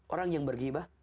orang yang bergibah